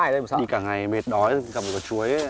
đi cả ngày mệt đói gặp một quả chuối